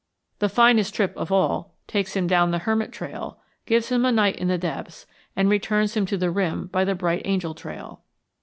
The finest trip of all takes him down the Hermit Trail, gives him a night in the depths, and returns him to the rim by the Bright Angel Trail.